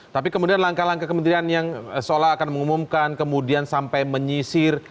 tapi kemudian langkah langkah kementerian yang seolah akan mengumumkan kemudian sampai menyisir